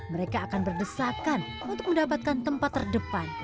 mereka akan berdesakan untuk mendapatkan tempat terdepan